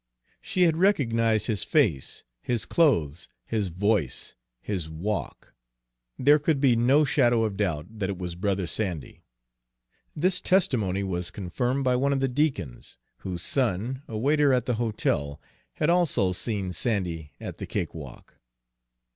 She had recognized his face, his clothes, his voice, his walk there could be no shadow of doubt that it was Brother Sandy. This testimony was confirmed by one of the deacons, whose son, a waiter at the hotel, had also seen Sandy at the cakewalk.